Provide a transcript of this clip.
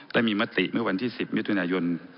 ได้มีมติเมื่อวันที่๑๐มิย๒๕๕๘